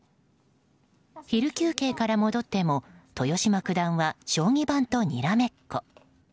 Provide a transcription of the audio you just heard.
昼休憩から戻っても豊島九段は将棋盤とにらめっこ。